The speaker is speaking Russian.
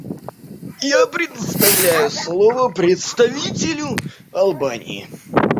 Я предоставляю слово представителю Албании.